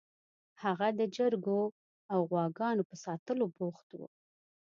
هغه د چرګو او غواګانو په ساتلو بوخت و